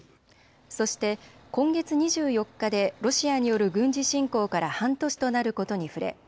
そして今月２４日でロシアによる軍事侵攻から半年となることに触れ